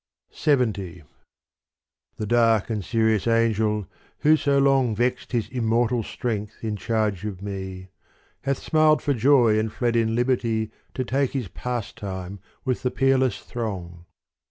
LXX The dark and serious angel who so long Vexed his immortal strength in charge of me Hath smiled for joy and fled in liberty To take his pastime with the peerless throng.